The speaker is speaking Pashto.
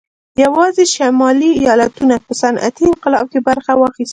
یوازې شمالي ایالتونو په صنعتي انقلاب کې برخه واخیسته